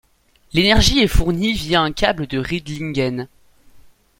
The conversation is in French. L'énergie est fournie via un câble de Riedlingen.